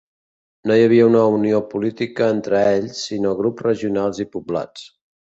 No hi havia una unió política entre ells, sinó grups regionals i poblats.